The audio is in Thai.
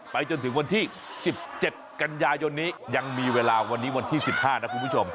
จนถึงวันที่๑๗กันยายนนี้ยังมีเวลาวันนี้วันที่๑๕นะคุณผู้ชม